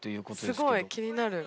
すごい気になる。